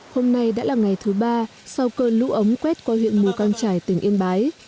hôm nay đã là ngày thứ ba sau cơn lũ ống quét qua huyện mù căng trải tỉnh yên bái